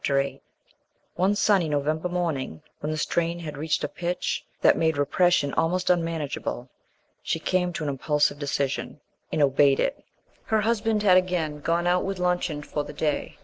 ~VIII~ One sunny November morning, when the strain had reached a pitch that made repression almost unmanageable, she came to an impulsive decision, and obeyed it. Her husband had again gone out with luncheon for the day.